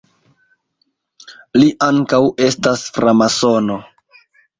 Li ankaŭ estas framasono.